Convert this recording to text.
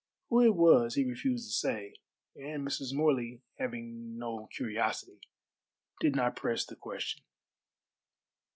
Who it was he refused to say, and Mrs. Morley, having no curiosity, did not press the question.